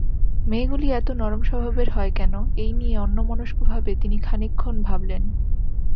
মেয়েগুলি এত নরম স্বভাবের হয় কেন, এই নিয়ে অন্যমনস্কভাবে তিনি খানিকক্ষণ ভাবলেন।